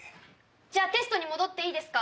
じゃあテストに戻っていいですか？